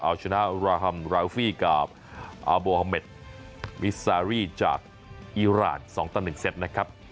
เอาชนะราฮัมราวฟี่กับอาโบฮาเมดมิสซารี่จากอีราน๒ต่อ๑เซตนะครับ